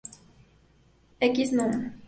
X. Núm.